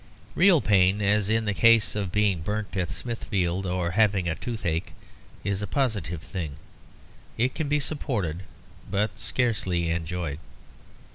Real pain, as in the case of being burnt at Smithfield or having a toothache, is a positive thing; it can be supported, but scarcely enjoyed.